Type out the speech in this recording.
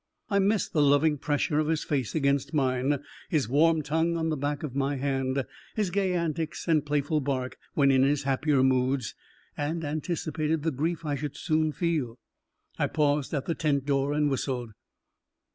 I missed the loving pressure of his face against mine, his warm tongue on the back of my hand, his gay antics and playful bark when in his happier moods, and anticipated the grief I should soon feel. I paused at the tent door and whistled.